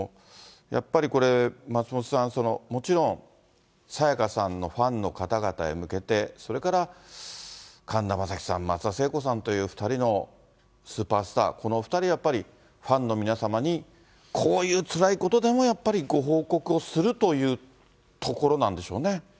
やっぱりこれ、松本さん、もちろん沙也香さんのファンの方々へ向けて、それから、神田正輝さん、松田聖子さんという２人のスーパースター、この２人はやっぱり、ファンの皆様にこういうつらいことでも、やっぱりご報告をするというところなんでしょうね。